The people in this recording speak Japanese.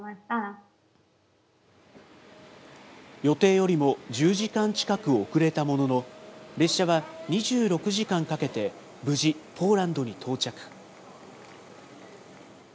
予定よりも１０時間近く遅れたものの、列車は２６時間かけて無事、ポーランドに到着。